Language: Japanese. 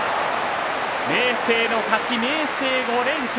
明生の勝ち、明生５連勝。